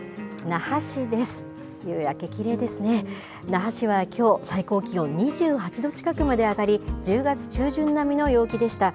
那覇市はきょう、最高気温２８度近くまで上がり、１０月中旬並みの陽気でした。